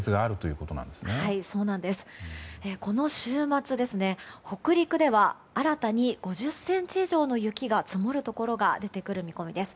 この週末北陸では新たに５０ｃｍ以上の雪が積もるところが出てくる見込みです。